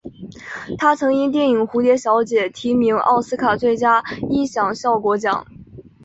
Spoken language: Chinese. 他曾因电影蝴蝶小姐提名奥斯卡最佳音响效果奖。